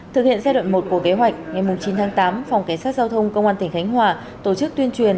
thực hiện giai đoạn một của kế hoạch ngày chín tháng tám phòng cảnh sát giao thông công an tỉnh khánh hòa tổ chức tuyên truyền